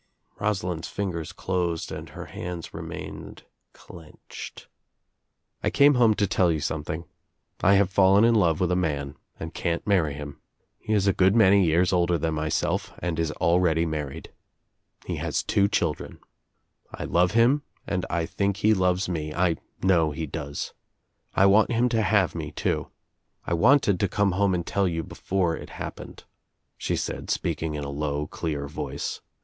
Rosalind's fingers closed and her hands remained clenched. "I came home to tell you something. I have fallen in love with a man and can't marry him. He il a good many years older than myself and is already married. He has two children. I love him and I think he loves me — I know he does. I want him to have me too. I wanted to come home and tell you he OUT OF NOWHERE INTO NOTHING 249 fore it happened," she said speaking in a low clear ' voice.